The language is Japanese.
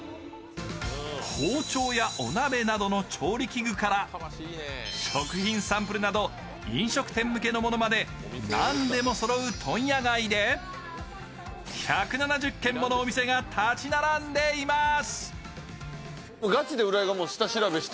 包丁やお鍋などの調理器具から食品サンプルなど飲食店向けのものまでなんでもそろう問屋街で１７０軒のお店が立ち並んでいます。